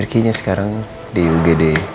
ricky nya sekarang di ugd